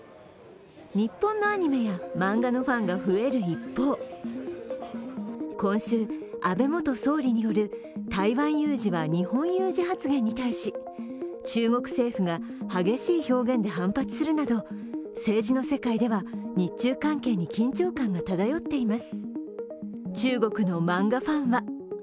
日本のアニメや漫画のファンが増える一方、今週、安倍元総理による台湾有事は日本有事発言に対し中国政府が激しい表現で反発するなど政治の世界では日中関係に緊張感が漂っています。